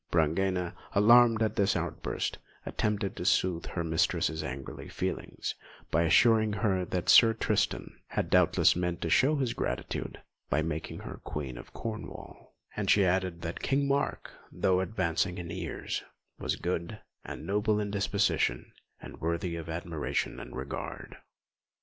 Brangæna, alarmed at this outburst, attempted to sooth her mistress's angry feelings by assuring her that Sir Tristan had doubtless meant to show his gratitude by making her Queen of Cornwall; and she added that King Mark, though advancing in years, was good and noble in disposition, and worthy of admiration and regard.